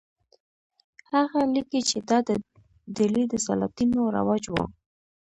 هغه لیکي چې دا د ډیلي د سلاطینو رواج و.